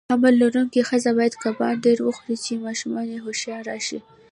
حمل لرونکي خزه باید کبان ډیر وخوري، چی ماشوم یی هوښیار راشي.